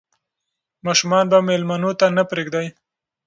ماشومان به مېلمنو ته نه پرېږدي.